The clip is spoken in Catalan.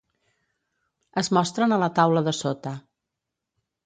Es mostren a la taula de sota.